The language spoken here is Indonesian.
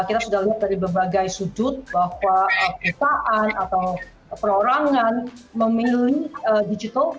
kita sudah lihat dari berbagai sudut bahwa perusahaan atau perorangan memilih digital